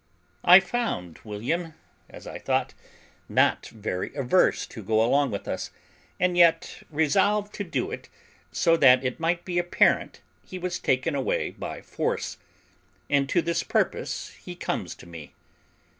I found William, as I thought, not very averse to go along with us, and yet resolved to do it so that it might be apparent he was taken away by force, and to this purpose he comes to me.